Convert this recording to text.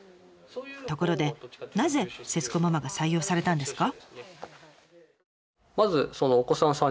ところでなぜ節子ママが採用されたんですか？